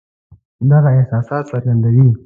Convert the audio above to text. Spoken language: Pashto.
دغه احساسات څرګندوي.